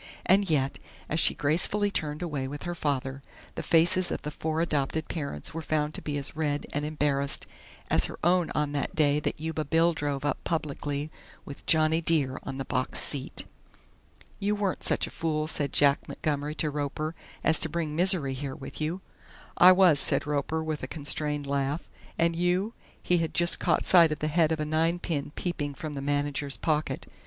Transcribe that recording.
And yet, as she gracefully turned away with her father, the faces of the four adopted parents were found to be as red and embarrassed as her own on the day that Yuba Bill drove up publicly with "Johnny Dear" on the box seat. "You weren't such a fool," said Jack Montgomery to Roper, "as to bring Misery here with you?" "I was," said Roper with a constrained laugh "and you?" He had just caught sight of the head of a ninepin peeping from the manager's pocket.